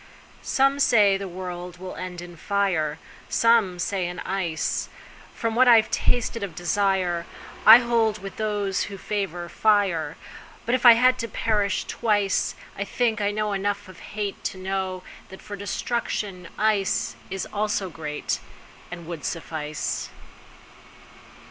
SOME say the world will end in fire, Some say in ice. From what I've tasted of desireI hold with those who favor fire. But if it had to perish twice,I think I know enough of hateTo know that for destruction iceIs also greatAnd would suffice.